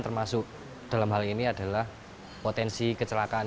termasuk dalam hal ini adalah potensi kecelakaan